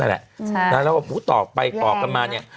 แล้วก็พูดตอบไปตอบกันมาเนี่ย